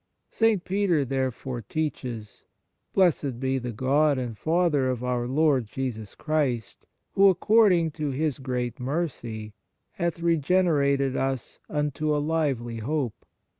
St. Peter therefore teaches: " Blessed be the God and Father of our Lord Jesus Christ, who according to His great mercy hath regenerated us unto a lively hope